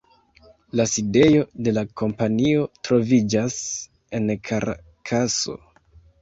La sidejo de la kompanio troviĝas en Karakaso.